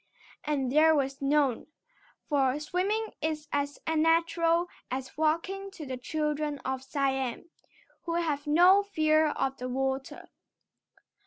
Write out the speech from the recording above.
And there was none, for swimming is as natural as walking to the children of Siam, who have no fear of the water.